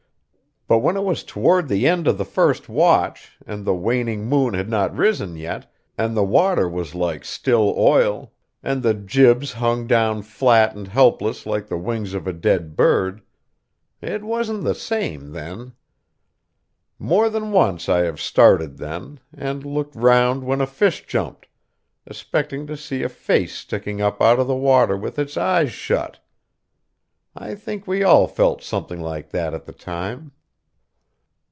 But when it was toward the end of the first watch, and the waning moon had not risen yet, and the water was like still oil, and the jibs hung down flat and helpless like the wings of a dead bird it wasn't the same then. More than once I have started then, and looked round when a fish jumped, expecting to see a face sticking up out of the water with its eyes shut. I think we all felt something like that at the time.